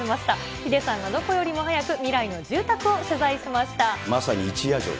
ヒデさんがどこよりも早く未来の住宅を取材しました。